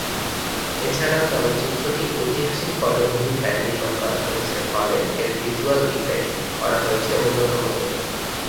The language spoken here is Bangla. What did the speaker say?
এছাড়া চলচ্চিত্রটি ঐতিহাসিক পটভূমিকায় নির্মাণ করা হয়েছে ফলে এর ভিজুয়াল এফেক্ট করা হয়েছে উচ্চমানের।